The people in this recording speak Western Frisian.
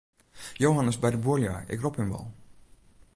Johan is by de buorlju, ik rop him wol.